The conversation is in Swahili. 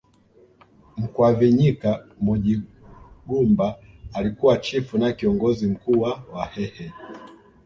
Mkwavinyika Munyigumba alikuwa chifu na kiongozi mkuu wa wahehe